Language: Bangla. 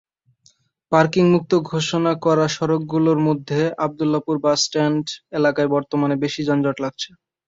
পার্কিংমুক্ত ঘোষণা করা সড়কগুলোর মধ্যে আবদুল্লাহপুর বাসস্ট্যান্ড এলাকায় বর্তমানে বেশি যানজট লাগছে।